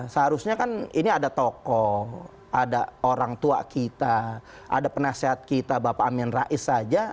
seharusnya kan ini ada tokoh ada orang tua kita ada penasehat kita bapak amin rais saja